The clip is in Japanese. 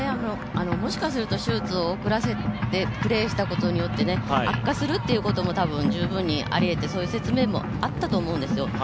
もしかすると手術を遅らせてプレーしたことによって悪化するということも十分にありえて、そういう説明もあったと思うんですよ。